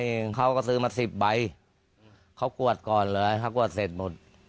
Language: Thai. ชุดละ๒ใบเองเค้าก็ซื้อมา๑๐ใบเค้ากวดก่อนเลยเค้ากวดเสร็จหมด